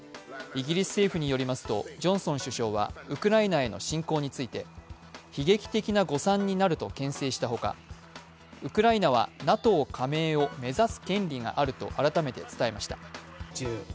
イギリス政府によりますとジョンソン首相はウクライナへの侵攻について、悲劇的な誤算になるとけん制した他、ウクライナはＮＡＴＯ加盟を目指す権利があると改めて伝えました。